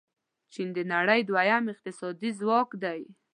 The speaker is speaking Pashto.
چین د نړۍ دویم اقتصادي ځواک دی.